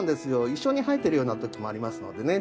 一緒に生えてるような時もありますのでね